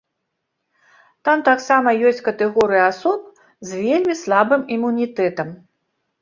Там таксама ёсць катэгорыі асоб з вельмі слабым імунітэтам.